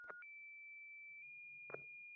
যাবি তো সেখানে?